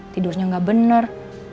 tidurnya nggak bener